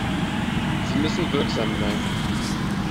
Sie müssen wirksam sein.